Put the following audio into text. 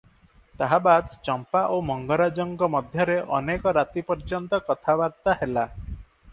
ତାହାବାଦ୍ ଚମ୍ପା ଓ ମଙ୍ଗରାଜଙ୍କ ମଧ୍ୟରେ ଅନେକ ରାତି ପର୍ଯ୍ୟନ୍ତ କଥାବାର୍ତ୍ତା ହେଲା ।